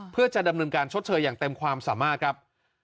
เพื่อจะดำเนินการชดเชยอย่างเต็มความสามารถครับ